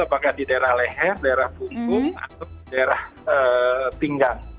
apakah di daerah leher daerah bumbung atau daerah pinggang